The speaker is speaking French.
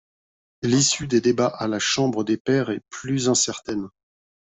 L'issue des débats à la Chambre des pairs est plus incertaine.